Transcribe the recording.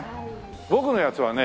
僕のやつはね